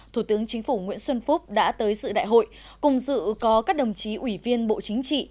thủ tướng chính phủ nguyễn xuân phúc đã tới dự đại hội cùng dự có các đồng chí ủy viên bộ chính trị